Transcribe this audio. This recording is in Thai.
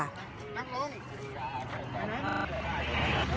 นักลง